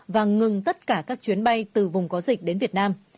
và ngừng tất cả các chuyến bay từ vùng có dịch đến việt nam